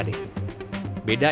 beda iktp dan juga ktp digital adalah